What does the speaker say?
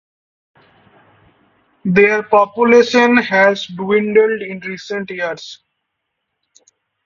Their population has dwindled in recent years.